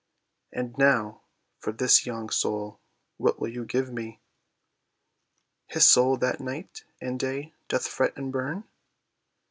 "And now, for his young soul what will you give me, His soul that night and day doth fret and burn?"